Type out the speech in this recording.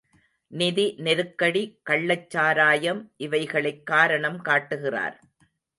நிதி நெருக்கடி, கள்ளச் சாராயம் இவைகளைக் காரணம் காட்டுகிறார்.